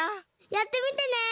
やってみてね！